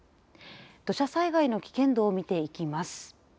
土砂災害の危険度を見ていきます。